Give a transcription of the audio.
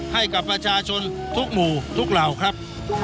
ให้กับประชาชนทุกหมู่ทุกเหล่าครับ